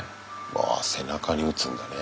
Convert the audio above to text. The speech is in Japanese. ああ背中に打つんだね。